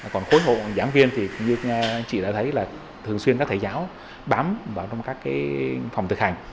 còn khối hộ giảng viên thì như chị đã thấy là thường xuyên các thầy giáo bám vào trong các phòng thực hành